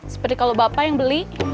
seperti kalau bapak yang beli